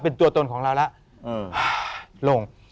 เป็นตัวตนของเราแล้วลง